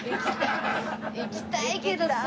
行きたいけどさ。